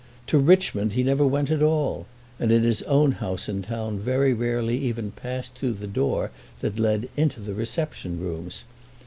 To Richmond he never went at all, and in his own house in town very rarely even passed through the door that led into the reception rooms.